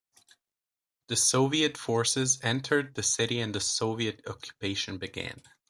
The Soviet forces entered the city and the Soviet occupation began.